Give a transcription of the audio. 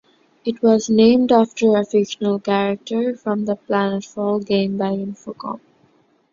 It was named after a fictional character from the "Planetfall" game by Infocom.